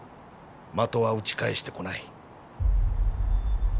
的は撃ち返してこない。